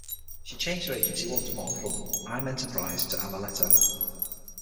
She changed her agency once more from I'm Enterprise to Amuleto.